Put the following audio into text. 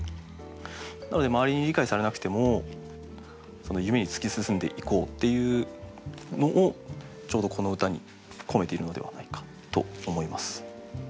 なので周りに理解されなくても夢に突き進んでいこうっていうのをちょうどこの歌に込めているのではないかと思います。